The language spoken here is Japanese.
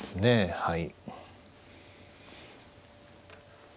はい。